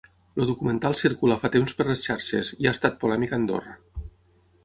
El documental circula fa temps per les xarxes i ha estat polèmic a Andorra.